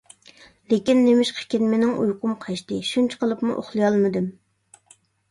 لېكىن نېمىشقىكىن مېنىڭ ئۇيقۇم قاچتى، شۇنچە قىلىپمۇ ئۇخلىيالمىدىم.